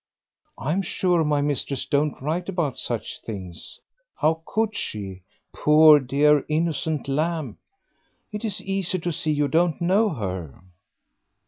"I'm sure my mistress don't write about such things. How could she, poor dear innocent lamb? It is easy to see you don't know her."